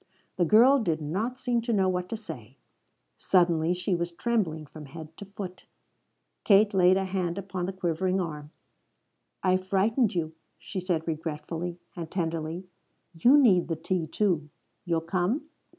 The girl did not seem to know what to say. Suddenly she was trembling from head to foot. Kate laid a hand upon the quivering arm. "I've frightened you," she said regretfully and tenderly. "You need the tea, too. You'll come?"